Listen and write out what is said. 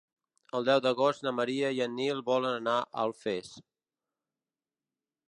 El deu d'agost na Maria i en Nil volen anar a Alfés.